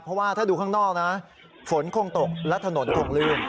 เพราะว่าถ้าดูข้างนอกนะฝนคงตกและถนนคงลื่น